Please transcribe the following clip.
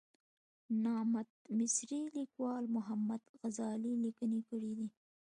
نامت مصري لیکوال محمد غزالي لیکنې کړې دي.